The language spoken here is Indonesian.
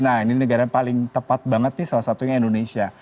nah ini negara yang paling tepat banget nih salah satunya indonesia